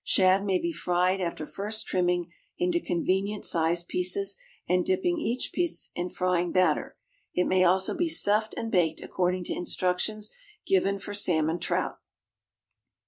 Shad may be fried after first trimming into convenient sized pieces and dipping each piece in frying batter. It may also be stuffed and baked according to instructions given for salmon trout.